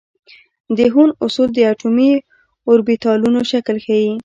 د هوند اصول د اټومي اوربیتالونو شکل ښيي.